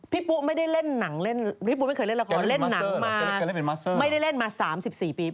พี่ปุ๊กไม่เคยเล่นละครเล่นหนังมาไม่ได้เล่นมา๓๔ปี